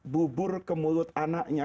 bubur ke mulut anaknya